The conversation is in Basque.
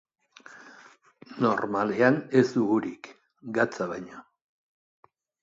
Normalean ez du urik, gatza baino.